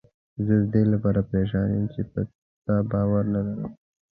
زه ددې لپاره پریشان یم چې په تا باور نه لرم.